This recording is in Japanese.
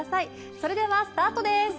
それではスタートです。